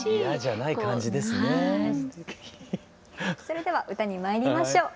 それでは歌にまいりましょう。